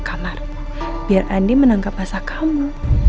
kamar biar andi menangkap basah kamu